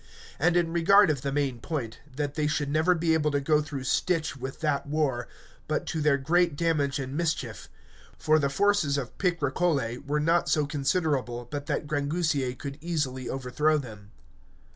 And in regard of the main point, that they should never be able to go through stitch with that war, but to their great damage and mischief; for the forces of Picrochole were not so considerable but that Grangousier could easily overthrow them.